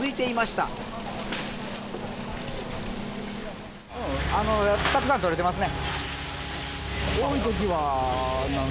たくさんとれてますね。